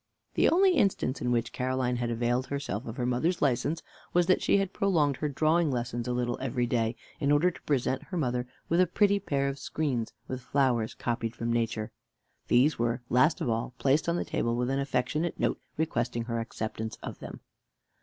The only instance in which Caroline had availed herself of her mother's license, was that she had prolonged her drawing lessons a little every day, in order to present her mother with a pretty pair of screens, with flowers copied from nature. These were, last of all, placed on the table with an affectionate note, requesting her acceptance of them.